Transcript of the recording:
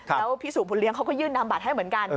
แล้วพี่สุบุญเลี้ยเขาก็ยื่นนำบัตรให้เหมือนกัน